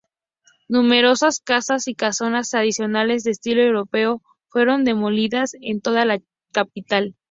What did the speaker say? Numerosas casas y casonas tradicionales de estilo europeo fueron demolidas en toda la Capital.